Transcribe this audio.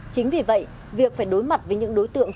chính vì vậy việc phải đối mặt với những đối tượng